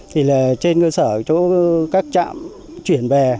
thì là trên cơ sở chỗ các trạm chuyển về